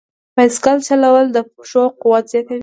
بایسکل چلول د پښو قوت زیاتوي.